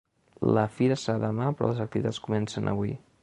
La fira serà demà però les activitats comencen avui.